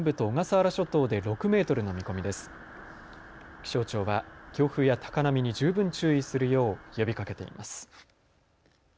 気象庁は強風や高波に十分注意するよう呼びかけています。